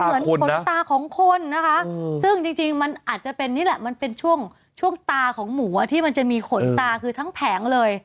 เหมือนขนตาของคนนะคะซึ่งจริงมันอาจจะเป็นนี่แหละมันเป็นช่วงช่วงตาของหมูที่มันจะมีขนตาคือทั้งแผงเลย